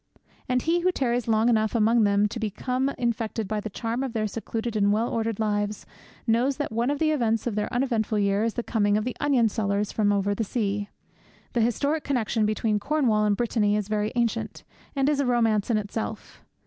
And he who tarries long enough among them to become infected by the charm of their secluded and well ordered lives knows that one of the events of their uneventful year is the coming of the onion sellers from over the sea. The historic connexion between Cornwall and Brittany is very ancient, and is a romance in itself.